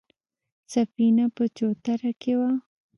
سفينه په چوتره کې وه.